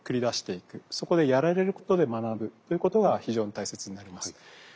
そこでやられることで学ぶということが非常に大切になります。